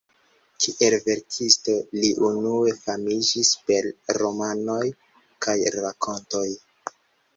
Kiel verkisto li unue famiĝis per romanoj kaj rakontoj.